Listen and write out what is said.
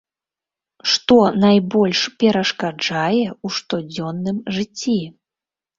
Што найбольш перашкаджае ў штодзённым жыцці?